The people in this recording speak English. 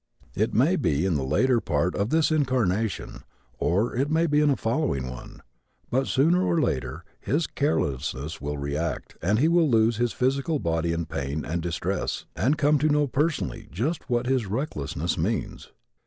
It may be in the latter part of this incarnation, or it may be in a following one, but sooner or later his carelessness will react and he will lose his physical body in pain and distress and come to know personally just what his recklessness means.